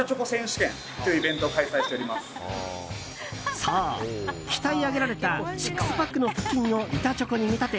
そう、鍛え上げられたシックスパックの腹筋を板チョコに見立て